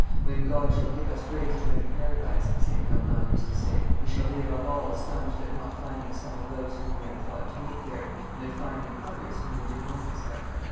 "When God shall give us grace to enter Paradise," St. Bernard used to say, "we shall be above all astonished at not finding some of those whom we had thought to meet there, and at finding others whom we did not expect."